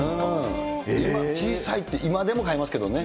小さいって、今でも買いますけどね。